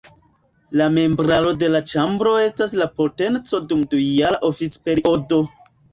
La membraro de la ĉambro estas en potenco dum dujara oficperiodo.